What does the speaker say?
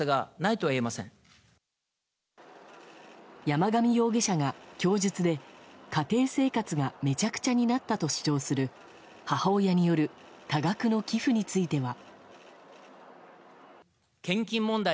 山上容疑者が供述で家庭生活がめちゃくちゃになったと主張する母親による多額の寄付については。